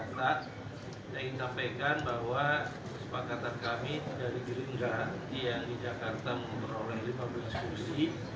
saya ingin menyampaikan bahwa sepakatan kami dari giringga yang di jakarta memperoleh lima belas fungsi